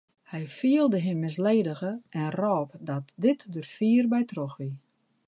Hy fielde him misledige en rôp dat dit der fier by troch wie.